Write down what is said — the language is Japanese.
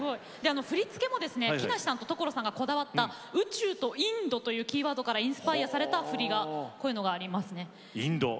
振り付けも木梨さんと所さんがこだわった宇宙とインドというキーワードからインスパイアされた振りがあります。